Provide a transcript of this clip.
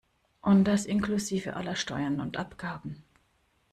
Und das inklusive aller Steuern und Abgaben.